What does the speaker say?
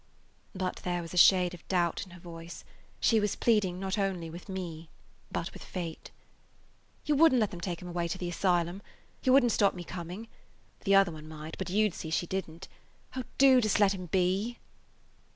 But there was a shade of doubt in her voice; she was pleading not only with me, but with fate. "You wouldn't let them take him away to the asylum. You would n't stop me coming. The other one might, but you 'd see she didn't. Oh, do just let him be!